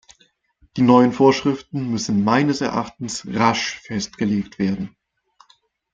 Die neuen Vorschriften müssen meines Erachtens rasch festgelegt werden.